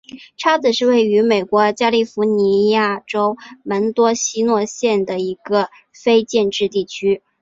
叉子是位于美国加利福尼亚州门多西诺县的一个非建制地区。